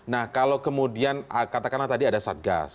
nah kalau kemudian katakanlah tadi ada satgas